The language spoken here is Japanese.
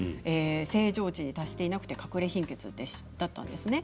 正常値に達していなくてかくれ貧血だったんです。